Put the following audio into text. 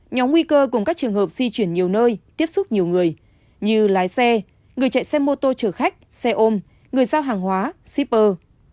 nhóm nguy cơ cùng các trường hợp di chuyển nhiều nơi tiếp xúc nhiều người như lái xe người chạy xe mô tô chở khách xe ôm người giao hàng hóa shipper